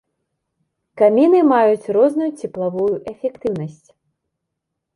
Каміны маюць розную цеплавую эфектыўнасць.